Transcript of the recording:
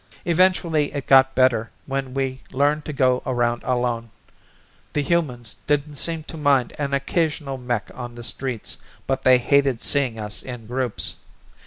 Eventually it got better when we learned to go around alone. The humans didn't seem to mind an occasional mech on the streets, but they hated seeing us in groups.